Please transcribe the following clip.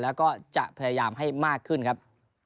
แล้วก็จะพยายามให้มากขึ้นครับ